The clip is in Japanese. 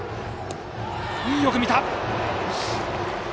よく見た！